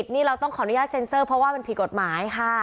นี่เราต้องขออนุญาตเซ็นเซอร์เพราะว่ามันผิดกฎหมายค่ะ